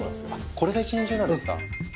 これが一年中なんですか。